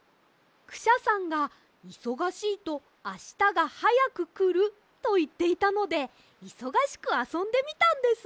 クシャさんが「いそがしいとあしたがはやくくる」といっていたのでいそがしくあそんでみたんです。